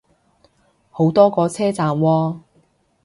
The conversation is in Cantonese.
好多個車站喎